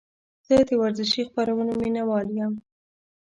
زه د ورزشي خپرونو مینهوال یم.